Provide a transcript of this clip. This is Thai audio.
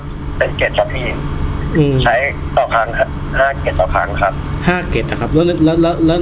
ห้าเกร็ดต่อครั้งครับห้าเกร็ดอ่ะครับแล้วแล้วแล้วแล้วแล้ว